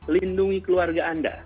lindungi keluarga anda